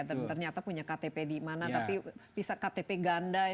ternyata punya ktp di mana tapi bisa ktp ganda